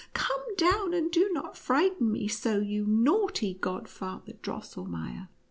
Come down, and do not frighten me so, you naughty Godfather Drosselmeier !"